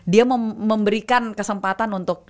dia memberikan kesempatan untuk